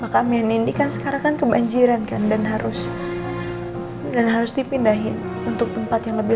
makamnya nindi kan sekarang kan kebanjiran kan dan harus dan harus dipindahin untuk tempat yang lebih